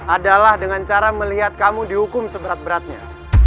adalah dengan cara melihat kamu dihukum seberat beratnya